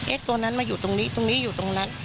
ตัวนั้นมาอยู่ตรงนี้ตรงนี้อยู่ตรงนั้น